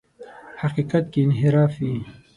حقیقت کې انحراف وي.